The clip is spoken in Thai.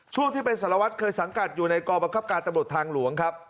ช่วงที่เป็นสารวัตรเคยสังกัดอยู่ในกรบังคับการตำรวจทางหลวงครับ